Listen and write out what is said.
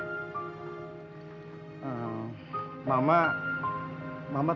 di rumah anak kamu